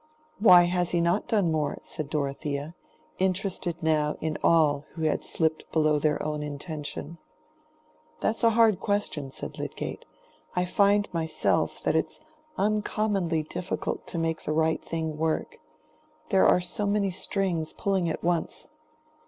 "Why has he not done more?" said Dorothea, interested now in all who had slipped below their own intention. "That's a hard question," said Lydgate. "I find myself that it's uncommonly difficult to make the right thing work: there are so many strings pulling at once.